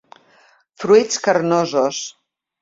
Fruits carnosos.